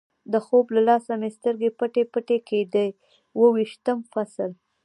د خوب له لاسه مې سترګې پټې پټې کېدې، اوه ویشتم فصل.